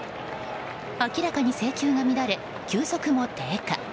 明らかに制球が乱れ、球速も低下。